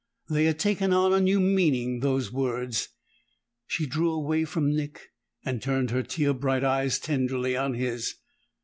They had taken on a new meaning, those words; she drew away from Nick and turned her tear bright eyes tenderly on his.